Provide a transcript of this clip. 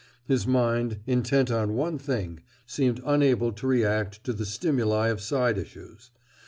His mind, intent on one thing, seemed unable to react to the stimuli of side issues.